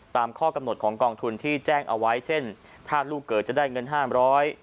ข้อกำหนดของกองทุนที่แจ้งเอาไว้เช่นถ้าลูกเกิดจะได้เงินห้ามร้อย